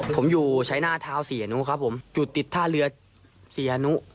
ผมอยู่ใช้หน้าเท้าเสียอนุครับผมจุดติดท่าเรือเสียนุ